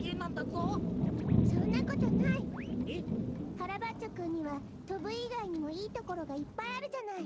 カラバッチョくんにはとぶいがいにもいいところがいっぱいあるじゃない。